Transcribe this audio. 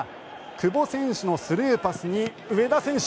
久保選手のスルーパスに上田選手。